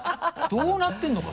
どうなってるのか？